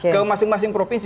ke masing masing provinsi